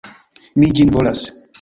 Mi ĝin volas!